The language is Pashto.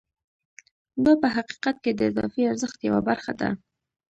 دا په حقیقت کې د اضافي ارزښت یوه برخه ده